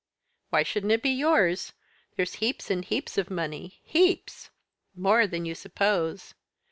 Why shouldn't it be yours? There's heaps and heaps of money, heaps! More than you suppose.